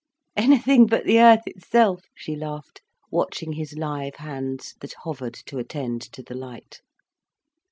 "Anything but the earth itself," she laughed, watching his live hands that hovered to attend to the light.